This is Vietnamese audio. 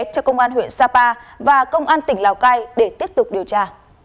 cho công an huyện sapa và công an tỉnh lào cai để tiếp tục điều tra